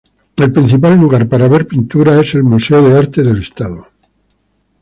El principal lugar para encontrar pintura es el Museo de Arte del Estado.